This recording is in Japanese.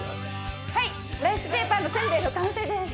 ライスペーパーのせんべいの完成です。